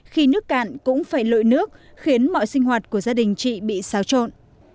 khi nước cạn cũng phải lội nước khiến mọi sinh hoạt của gia đình chị bị xáo trộn